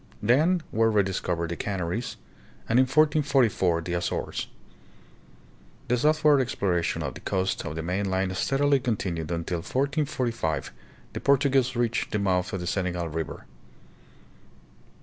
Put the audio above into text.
Then were rediscovered the Canaries and in 1444 the Azores. The southward exploration of the coast of the mainland steadily continued until in 1445 the Portuguese reached the mouth of the Senegal River.